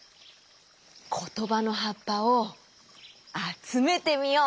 ことばのはっぱをあつめてみよう！